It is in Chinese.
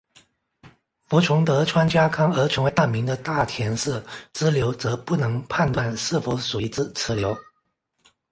服从德川家康而成为大名的太田氏支流则不能判断是否属于此流。